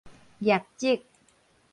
瘧疾